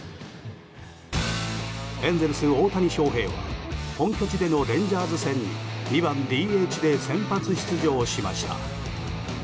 エンゼルス大谷翔平は本拠地でのレンジャーズ戦に２番ＤＨで先発出場しました。